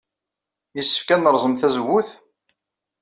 Yessefk ad nerẓem tazewwut?